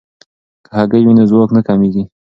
که هګۍ وي نو ځواک نه کمیږي.